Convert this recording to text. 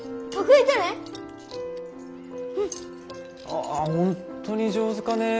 ああ本当に上手かねぇ。